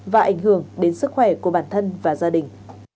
và ảnh hưởng đến sức khỏe của bản thân và gia đình